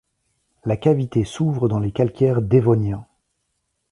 La cavité s'ouvre dans les calcaires dévoniens.